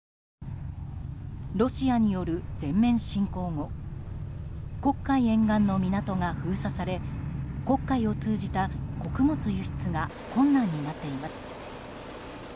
ロシアによる全面侵攻後黒海沿岸の港が封鎖され黒海を通じた穀物輸出が困難になっています。